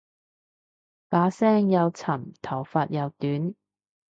把聲又沉頭髮又短